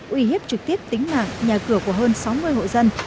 uy hiếp trực tiếp tính mạng nhà cửa của hơn sáu mươi hộ dân